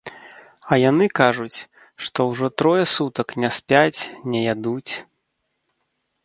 А яны кажуць, што ўжо трое сутак не спяць, не ядуць.